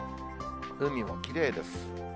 海もきれいです。